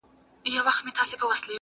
o پردى زوى نه زوى کېږي.